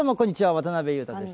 渡辺裕太です。